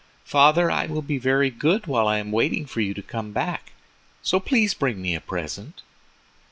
"Father, I will be very good while I am waiting for you to come back, so please bring me a present."